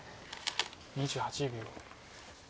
２８秒。